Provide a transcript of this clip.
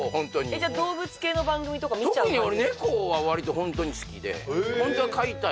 じゃあ動物系の番組とか見ちゃう感じですか？